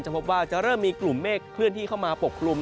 พบว่าจะเริ่มมีกลุ่มเมฆเคลื่อนที่เข้ามาปกกลุ่ม